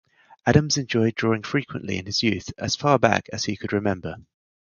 Adams enjoyed drawing frequently in his youth, as far back as he could remember.